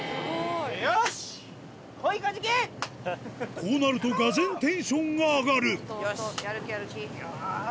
こうなるとがぜんテンションが上がるよし！